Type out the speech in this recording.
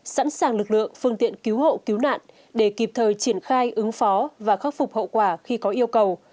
sẵn sàng lực lượng phương tiện cứu hộ cứu nạn để kịp thời triển khai ứng phó và khắc phục hậu quả khi có yêu cầu